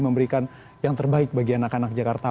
memberikan yang terbaik bagi anak anak jakarta